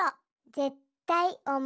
ぜったいおもち。